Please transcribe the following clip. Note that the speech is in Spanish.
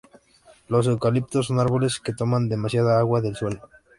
Los eucaliptos son árboles que toman demasiada agua del suelo.